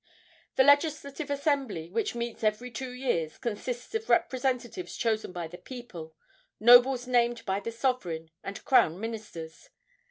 The Legislative Assembly, which meets every two years, consists of representatives chosen by the people, nobles named by the sovereign, and crown ministers.